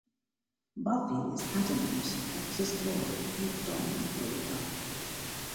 Buffy is adamant that it is Glory, not Dawn, who will die.